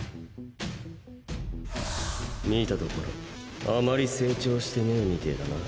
観たところあまり成長してねぇみてえ